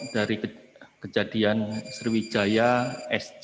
dari kejadian sriwijaya sj